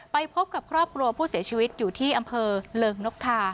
ไปพบกับครอบครัวผู้เสียชีวิตอยู่ที่อำเภอเริงนกทา